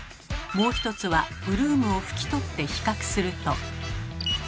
もう一つはブルームを拭き取って比較すると。